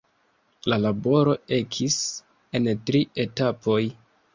La laboro ekis en tri etapoj.